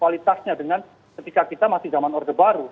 kualitasnya dengan ketika kita masih zaman orde baru